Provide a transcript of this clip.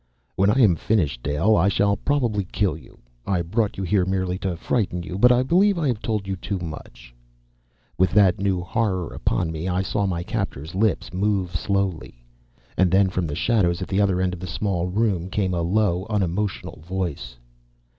"When I am finished, Dale, I shall probably kill you. I brought you here merely to frighten you, but I believe I have told you too much." With that new horror upon me, I saw my captor's lips move slowly.... And then, from the shadows at the other end of the small room, came a low, unemotional voice.